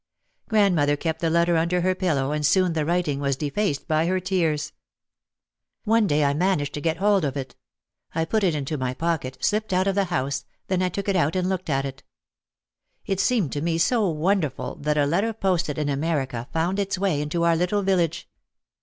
Grandmother kept the letter under her pillow and soon the writing was defaced by her tears. One day I managed to get hold of it. I put it into my pocket, slipped out of the house, then I took it out and looked at it. It seemed to me so wonderful that a letter posted in America found its way into our little village.